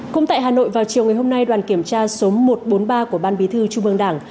cũng tại hà nội vào chiều ngày hôm nay đoàn kiểm tra số một trăm bốn mươi ba của ban bí thư trung ương đảng